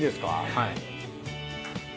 はい。